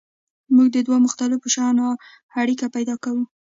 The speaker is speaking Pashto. موږ د دوو مختلفو شیانو اړیکه پیدا کوو.